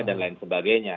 dan lain sebagainya